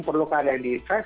perlukah ada yang ditrack